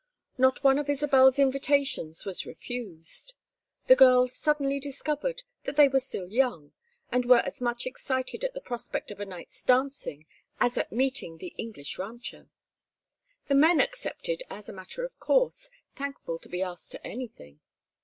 Not one of Isabel's invitations was refused. The girls suddenly discovered that they were still young, and were as much excited at the prospect of a night's dancing as at meeting the English rancher. The men accepted as a matter of course, thankful to be asked to anything.